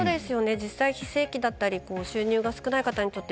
実際、非正規だったり収入が少ない方にとって